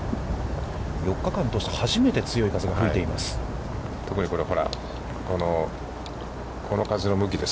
４日間通して初めて強い風が吹いています。